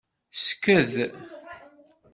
Sked.